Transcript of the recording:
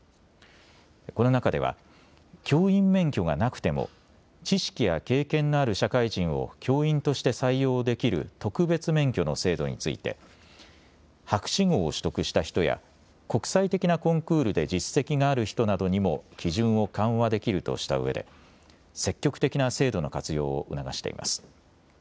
この中では教員免許がなくても知識や経験のある社会人を教員として採用できる特別免許の制度について博士号を取得した人や国際的なコンクールで実績がある人などにも基準を緩和できるとしたうえで積極的な制度の活用を促しています。